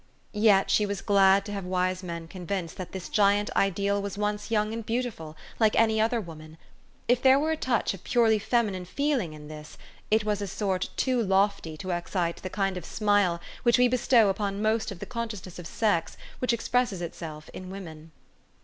Yet she was glad to have wise men convinced that this giant ideal was once young and beautiful, like any other woman. If there were a touch of purely feminine feeling in this, it was of a sort too lofty to excite the kind of smile which we bestow upon most of the consciousness of sex which expresses itself in women.